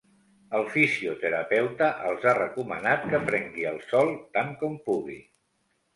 El fisioterapeuta els ha recomanat que prengui el sol tant com pugui.